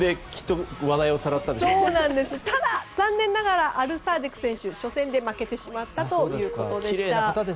ただ、アルサーディク選手は初戦で負けてしまったということでした。